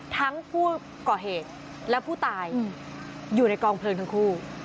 ทั้งผู้ก่อเหตุและผู้ตายอยู่ในกองเพลิงทั้งคู่